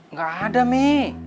nggak ada mi